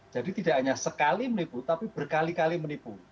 jadi tidak hanya sekali menipu tapi berkali kali menipu